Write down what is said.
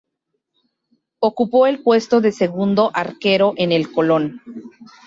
Ocupó el puesto de segundo arquero en el Colón.